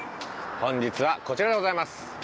本日はこちらでございます。